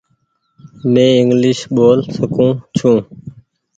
مين انگليش ٻول سڪون ڇي ۔